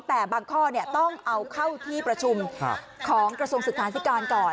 แต่บางข้อต้องเอาเข้าที่ประชุมของกระทรวงศึกษาธิการก่อน